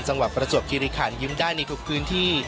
จังหวัดประจวบคิริขันยืมได้ในทุกพื้นที่